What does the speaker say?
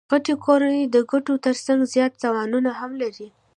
غټي کورنۍ د ګټو ترڅنګ زیات تاوانونه هم لري.